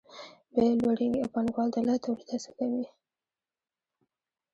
بیې لوړېږي او پانګوال د لا تولید هڅه کوي